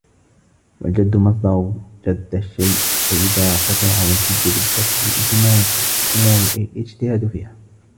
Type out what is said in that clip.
وَالْجَدُّ مَصْدَرُ جَدَّ الشَّيْءُ إذَا قُطِعَ وَالْجِدُّ بِالْكَسْرِ الِانْكِمَاشُ فِي الْأُمُورِ أَيْ الِاجْتِهَادُ فِيهَا